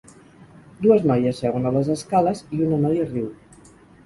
Dues noies seuen a les escales i una noia riu.